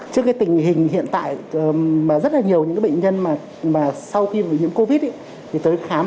trước cái tình hình hiện tại mà rất là nhiều những bệnh nhân mà sau khi bị nhiễm covid thì tới khám